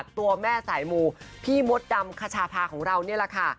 ตัวแม่สายมูพี่มดดำคชาพาของเรานี่แหละค่ะ